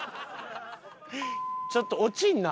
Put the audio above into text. ちょっと落ちんな。